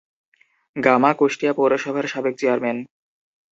Gamma Kushtia পৌরসভার সাবেক chairman.